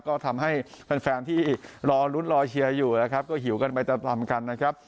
ก็ทำให้แฟนที่รอลุ้นรอเชียร์อยู่นะครับก็หิวกันไปตามตามกันนะครับ